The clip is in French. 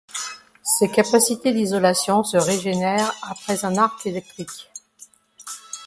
Ses capacités d'isolation se régénèrent après un arc électrique.